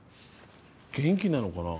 元気なのかな？